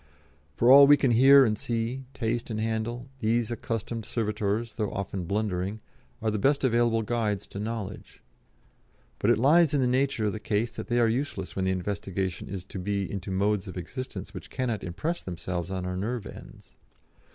For all we can hear and see, taste and handle, these accustomed servitors, though often blundering, are the best available guides to knowledge. But it lies in the nature of the case that they are useless when the investigation is to be into modes of existence which cannot impress themselves on our nerve ends.